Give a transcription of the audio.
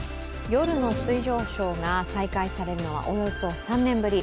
夜の水上ショーが再開されるのはおよそ３年ぶり。